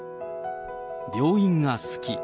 病院が好き。